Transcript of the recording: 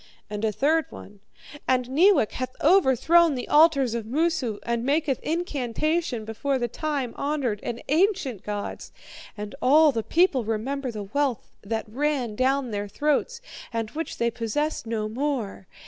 "And a third one: 'And Neewak hath overthrown the altars of Moosu, and maketh incantation before the time honoured and ancient gods. And all the people remember the wealth that ran down their throats, and which they possess no more.